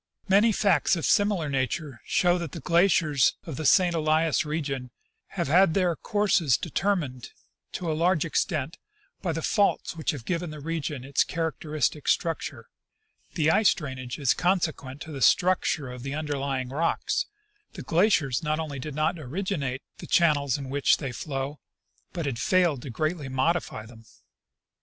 Many facts of similar nature show that the glaciers of the St. Elias region have had their courses determined, to a large extent, by the faults which have given the region its characteristic struc ture : the ice drainage is consequent to the structure of the underlying rocks ; the glaciers not only did not originate the channels in which they flow, but have failed to greatly modify them.